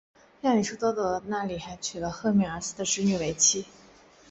亚里士多德在那里还娶了赫米阿斯的侄女为妻。